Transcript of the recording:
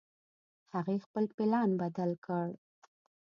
هغې خپل پلان بدل کړ